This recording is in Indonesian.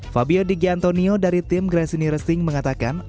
fabio di ghiantonio dari tim gresini racing mengatakan